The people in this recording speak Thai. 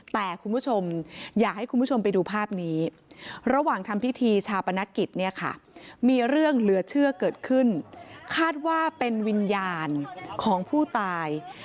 แต่คุณผู้ชมอยากให้คุณผู้ชมไปดูภาพนี้